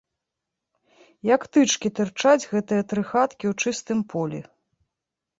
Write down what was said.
Як тычкі, тырчаць гэтыя тры хаткі ў чыстым полі.